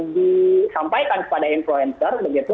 disampaikan kepada influencer begitu